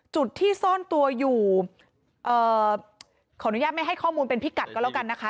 จุดที่ซ่อนตัวอยู่เอ่อขออนุญาตไม่ให้ข้อมูลเป็นพิกัดก็แล้วกันนะคะ